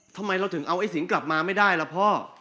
ทำไมเราถึงเอาไอ้สิงกลับมาไม่ได้ล่ะพ่อ